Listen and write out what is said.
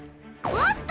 おっと！